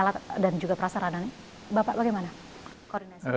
alat dan juga prasarana bapak bagaimana